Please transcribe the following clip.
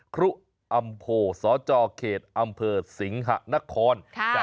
ครุอัมโภศเขตอำเภอสิงหะนครค่ะ